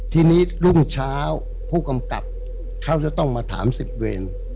ทีนี้รุ่งเช้าผู้กำกับเขาจะต้องมาถาม๑๐เวร